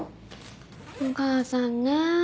お母さんね。